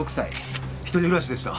一人暮らしでした。